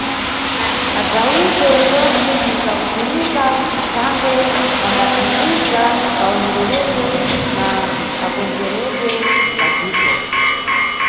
Kagawidwe Utongi ni kakufunika thangwe kambathandiza kawonereredwe na kakonzekeredwe ka dziko.